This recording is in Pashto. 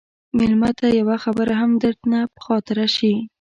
مېلمه ته یوه خبره هم درنه خاطره شي.